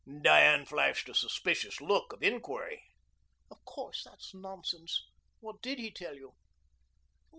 Diane flashed a suspicious look of inquiry. "Of course that's nonsense. What did he tell you?"